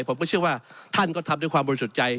ผมก็เชื่อว่าท่านก็ทำด้วยความบริสุทธิ์ใจ